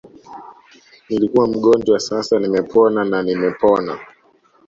Nilikuwa mgonjwa sasa nimepona na nimepona